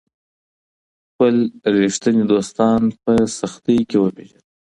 خپل ریښتیني دوستان په سختۍ کي وپیژنه.